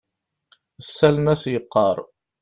Ssalen-as yeqqar.